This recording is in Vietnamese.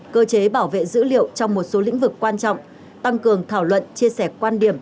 cơ chế bảo vệ dữ liệu trong một số lĩnh vực quan trọng tăng cường thảo luận chia sẻ quan điểm